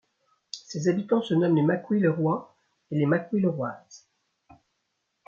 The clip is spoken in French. Ses habitants se nomment les Mackwillerois et les Mackwilleroises.